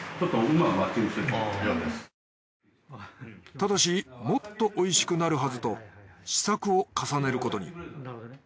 ただしもっとおいしくなるはずと試作を重ねることに。